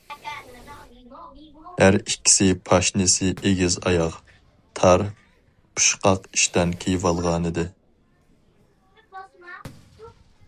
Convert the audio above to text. ھەر ئىككىسى پاشنىسى ئېگىز ئاياغ، تار پۇشقاق ئىشتان كىيىۋالغانىدى.